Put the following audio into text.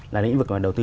là lĩnh vực đầu tư